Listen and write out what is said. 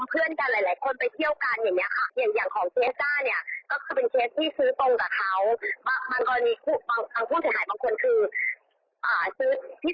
มันก็มีบางผู้เสียหายบางคนคือซื้อที่ตัวตายอีกที